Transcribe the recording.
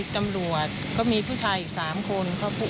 ตำรวจก็มีผู้ชายอีก๓คน